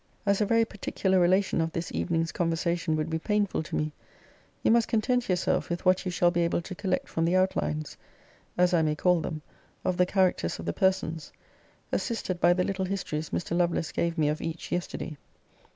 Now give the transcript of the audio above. As a very particular relation of this evening's conversation would be painful to me, you must content yourself with what you shall be able to collect from the outlines, as I may call them, of the characters of the persons; assisted by the little histories Mr. Lovelace gave me of each yesterday.